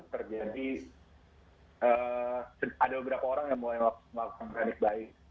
terjadi ada beberapa orang yang mulai melakukan kondisi baik